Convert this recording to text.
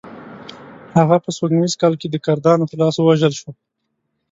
هغه په سپوږمیز کال کې د کردانو په لاس ووژل شو.